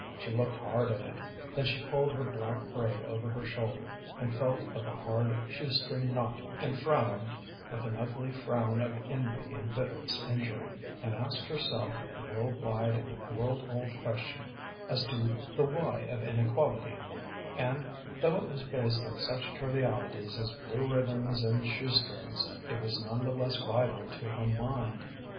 She looked hard at it, then she pulled her black braid over her shoulder and felt of the hard shoe string knot, and frowned with an ugly frown of envy and bitterest injury, and asked herself the world wide and world old question as to the why of inequality, and, though it was based on such trivialities as blue ribbons and shoe strings, it was none the less vital to her mind.